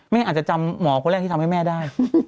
แม่อาจจะจำหมอคนแรกที่ทำให้แม่ได้